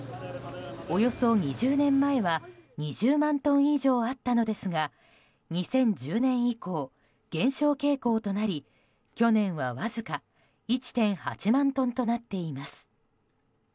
およそ２０年前は２０万トン以上あったのですが２０１０年以降減少傾向となり去年は、わずか１．８万トンとなっています。